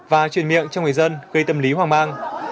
và truyền miệng cho người dân gây tâm lý hoang mang